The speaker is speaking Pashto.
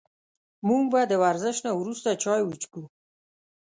موږ به د ورزش نه وروسته چای وڅښو